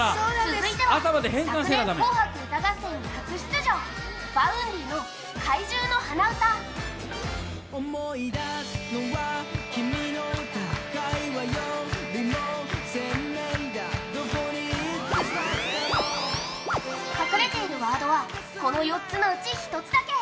続いては昨年「紅白歌合戦」に初出場、Ｖａｕｎｄｙの「怪獣の花唄」。隠れているワードは、この４つのうち１つだけ。